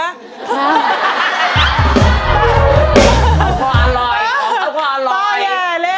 ตัวอร่อย